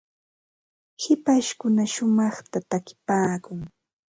hipashkuna shumaqta takipaakun.